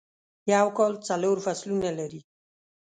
یوکال څلور فصلونه لری